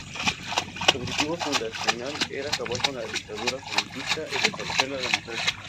Su objetivo fundacional era acabar con la Dictadura franquista y restablecer la democracia.